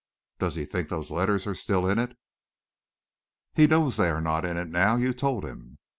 Does he think those letters are still in it?" "He knows they are not in it now you told him.